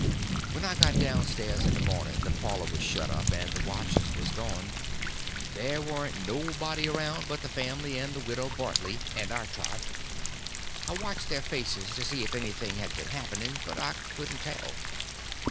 When I got down stairs in the morning the parlor was shut up, and the watchers was gone. There warn't nobody around but the family and the widow Bartley and our tribe. I watched their faces to see if anything had been happening, but I couldn't tell.